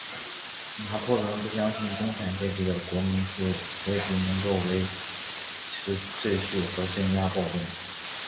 拿破仑不相信中产阶级的国民自卫军能够维持秩序和镇压暴动。